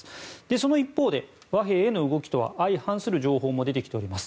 その一方で、和平への動きとは相反する情報も出てきております。